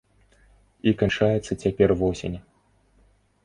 І канчаецца цяпер восень.